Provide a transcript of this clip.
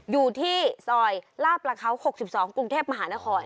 อยู่ที่ซอยลาบประเขา๖๒กรุงเทพมหานคร